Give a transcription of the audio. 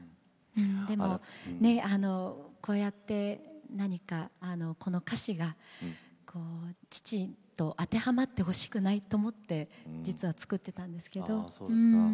でも、こうやって何かこの歌詞が父親と当てはまってほしくないと思って実は作っていたんですけれど。